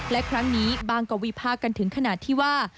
และครั้งนี้บางก็วิพากกันถึงขนาดที่ว่า